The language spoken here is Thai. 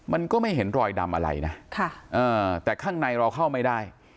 มันก็ไม่เห็นรอยดำอะไรนะแต่ข้างในเราเข้าไม่ได้